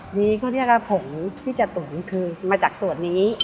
อันนี้เขาเรียกว่าผงที่จะตุ๋นคือมาจากส่วนนี้